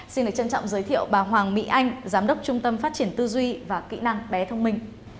xin được trân trọng giới thiệu bà hoàng mỹ anh giám đốc trung tâm phát triển tư duy và kỹ năng bé thông minh